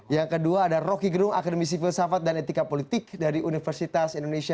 yang kedua ada roky gerung akademisi filsafat dan etika politik dari universitas indonesia